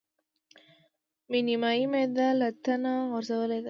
مې نيمایي معده له تنه غورځولې ده.